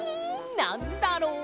なんだろう？